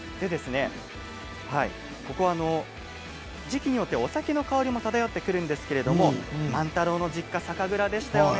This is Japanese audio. ここは時期によってお酒の香りも漂ってくるんですけど万太郎の実家、酒蔵でしたよね。